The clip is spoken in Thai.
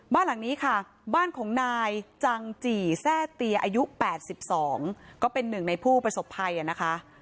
บ้านหลังนี้ค่ะบ้านของนายจังจี่แซ่เตียอายุ๘๒ก็เป็นหนึ่งในผู้ประสบภัยนะคะ